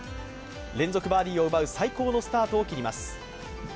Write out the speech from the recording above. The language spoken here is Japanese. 連続バーディーを奪う最高のスタートを切ります。